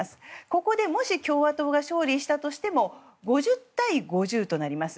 ここでもし共和党が勝利したとしても５０対５０となります。